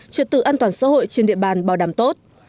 trật tự an toàn xã hội trên địa bàn bảo đảm tốt